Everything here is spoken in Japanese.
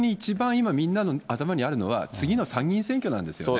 今、みんなの頭にあるのは次の参議院選挙なんですよね。